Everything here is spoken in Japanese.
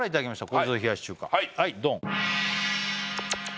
これぞ冷やし中華はいドン！